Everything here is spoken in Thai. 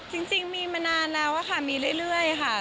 จริงมีมานานแล้วค่ะมีเรื่อยค่ะ